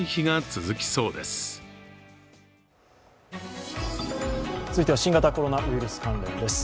続いては新型コロナウイルス関連です。